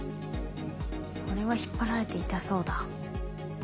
これは引っ張られて痛そうだ。